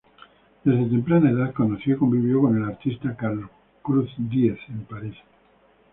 Desde temprana edad conoció y convivió con el artista Carlos Cruz Diez, en París.